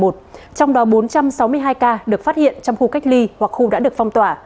trong đó bốn trăm sáu mươi hai ca được phát hiện trong khu cách ly hoặc khu đã được phong tỏa